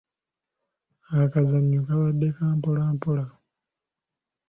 Akazannyo kabadde ka mpola mpola.